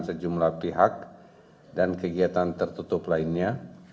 sejumlah pihak dan kegiatan tertutup lainnya